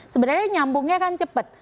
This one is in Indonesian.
sebenarnya nyambungnya kan cepet